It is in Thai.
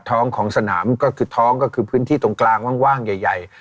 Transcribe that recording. ท้องของสนามก็คือท้องก็คือพื้นที่ตรงกลางว่างใหญ่